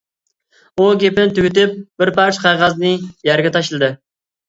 ئۇ گېپىنى تۈگىتىپ بىر پارچە قەغەزنى يەرگە تاشلىدى.